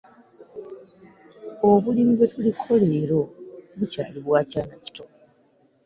Obulimi bwe tuliko leero bukyali bwa kyana kito.